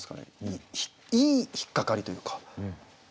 いい引っ掛かりというか。